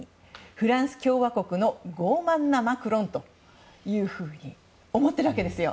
フランス共和国の傲慢なマクロンだと思ってるわけですよ